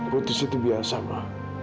putus itu biasa ma